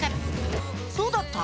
どうだった？